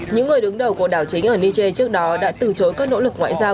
những người đứng đầu cuộc đảo chính ở niger trước đó đã từ chối các nỗ lực ngoại giao